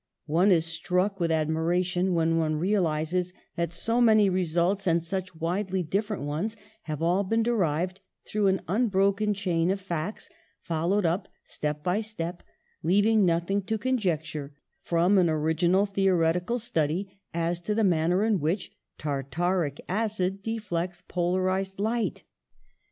One is struck with admiration when one realises that so many results and such widely different ones have all been derived, through an unbroken chain of facts, followed up step by step, leav ing nothing to conjecture, from an original the oretical study as to the manner in which tar taric acid deflects polarised light.